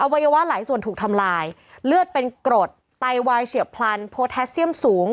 วัยวะหลายส่วนถูกทำลายเลือดเป็นกรดไตวายเฉียบพลันโพแทสเซียมสูง